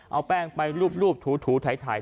เอาแป้งไปรูปถูถ่าย